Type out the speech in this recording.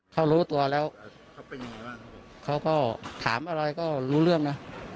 เขารู้ตัวแล้วเขาก็ถามอะไรก็รู้เรื่องนะ